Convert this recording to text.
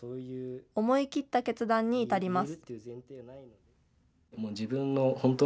思い切った決断に至ります。